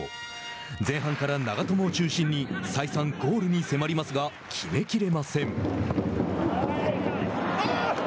前半から長友を中心に再三ゴールに迫りますが決めきれません。